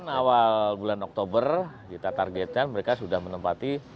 awal bulan oktober kita targetkan mereka sudah menempati